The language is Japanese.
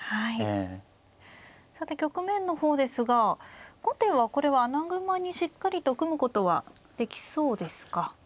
さて局面の方ですが後手はこれは穴熊にしっかりと組むことはできそうですか。